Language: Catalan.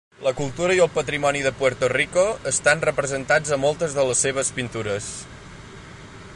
La cultura i el patrimoni de Puerto Rico estan representats a moltes de les seves pintures.